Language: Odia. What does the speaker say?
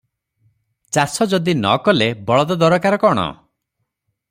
ଚାଷ ଯଦି ନ କଲେ ବଳଦ ଦରକାର କଣ?